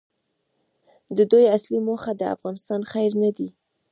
د دوی اصلي موخه د افغانستان خیر نه دی.